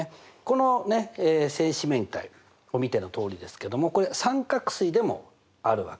この正四面体を見てのとおりですけどもこれ三角錐でもあるわけですね。